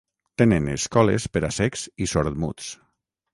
Tenen escoles per a cecs i sordmuts.